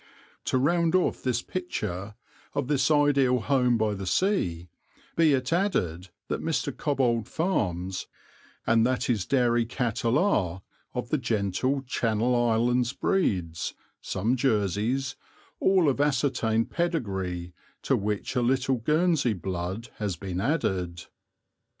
To round off the picture of this ideal home by the sea, be it added that Mr. Cobbold farms, and that his dairy cattle are of the gentle Channel Islands breeds, some Jerseys, all of ascertained pedigree, to which a little Guernsey blood has been added.